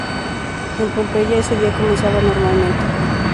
En Pompeya, ese día comenzaba normalmente.